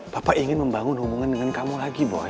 papa ingin membangun hubungan dengan kamu lagi boy